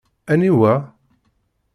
Aniwa?